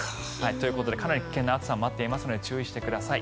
ということでかなり危険な暑さになっていますので注意してください。